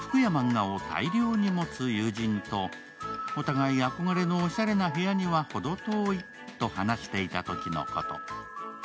ある日、服や漫画を大量に持つ友人と、お互い憧れのおしゃれな部屋にはほど遠いと話していたときのこと。